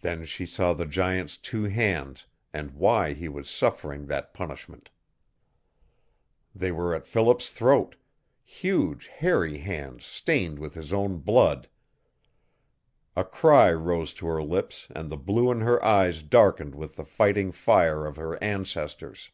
Then she saw the giant's two hands, and why he was suffering that punishment. They were at Philip's throat huge hairy hands stained with his own blood. A cry rose to her lips and the blue in her eyes darkened with the fighting fire of her ancestors.